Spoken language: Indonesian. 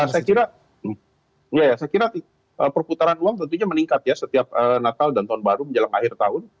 saya kira perputaran uang tentunya meningkat ya setiap natal dan tahun baru menjelang akhir tahun